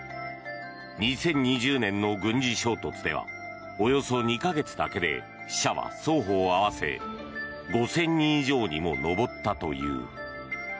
２０２０年の軍事衝突ではおよそ２か月だけで、死者は双方合わせ５０００人以上にも上ったという。